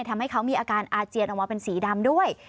ทำให้เขามีอาการอาเจียนออกมาเป็นสีดำด้วย